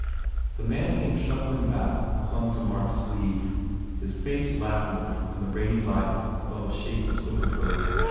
The man came shuffling back and clung to Mark s sleeve, his face lavender in the rainy light above a shapeless overcoat.